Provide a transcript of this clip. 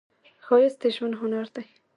ښایست د ژوند هنر دی